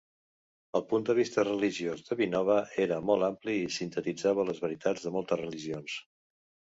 El punt de vista religiós de Vinoba era molt ampli i sintetitzava les veritats de moltes religions.